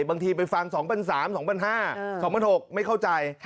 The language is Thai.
บางทีไปฟัง๒๓๐๐๒๕๐๐๒๖๐๐ไม่เข้าใจ